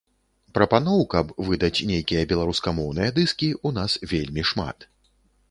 Прапаноў, каб выдаць нейкія беларускамоўныя дыскі, у нас вельмі шмат.